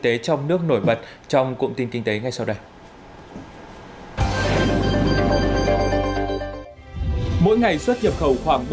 tế trong nước nổi bật trong cụm tin kinh tế ngay sau đây ừ ừ ở mỗi ngày xuất hiệp khẩu khoảng bốn trăm linh